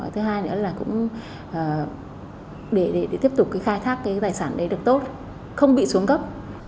thứ hai nữa là cũng để tiếp tục khai thác cái tài sản đấy được tốt không bị xuống cấp